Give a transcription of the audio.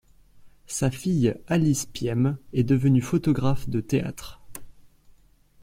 Sa fille Alice Piemme est devenue photographe de théâtre.